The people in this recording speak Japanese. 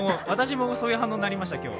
私もそういう反応になりました。